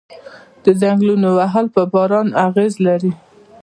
د ځنګلونو وهل په باران اغیز لري؟